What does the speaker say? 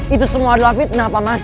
itu semua adalah fitnah paman